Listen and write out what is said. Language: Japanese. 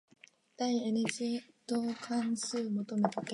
第 n 次導関数求めとけ。